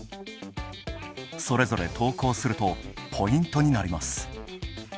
それぞれ投稿するとポイントになります。